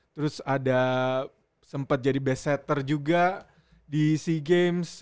terus ada sempat jadi best setter juga di sea games